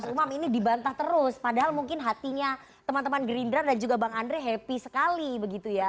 mas umam ini dibantah terus padahal mungkin hatinya teman teman gerindra dan juga bang andre happy sekali begitu ya